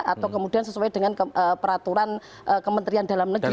atau kemudian sesuai dengan peraturan kementerian dalam negeri